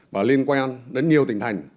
và liên quan đến nhiều tình hành